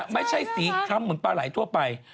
ไม่ใช่สีคล้ำเหมือนปลาไหลทั่วไป